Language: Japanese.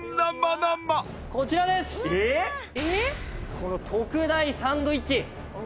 この特大サンドイッチ！